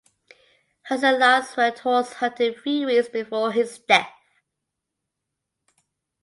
Hansen last went horse hunting three weeks before his death.